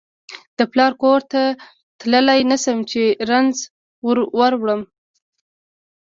د پلار کور ته تللای نشم چې رنځ وروړم